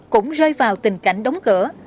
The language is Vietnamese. cũng rơi vào tình cảnh đóng cửa